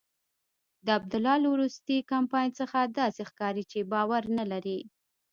د عبدالله له وروستي کمپاین څخه داسې ښکاري چې باور نلري.